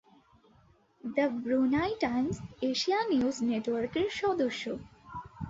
The Brunei Times Asia News নেটওয়ার্কের সদস্য।